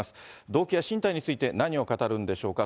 動機や進退について、何を語るんでしょうか。